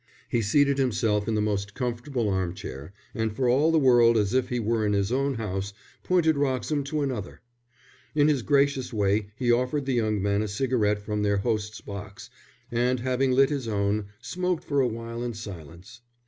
He seated himself in the most comfortable arm chair, and, for all the world as if he were in his own house, pointed Wroxham to another. In his gracious way he offered the young man a cigarette from their host's box, and having lit his own, smoked for a while in silence.